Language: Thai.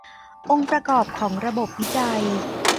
องค์ประกอบของระบบวิจัย